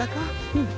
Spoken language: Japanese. うん。